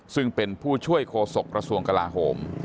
ซึ่งเป็นผู้ช่วยโฆษกระทรวงกลาโหม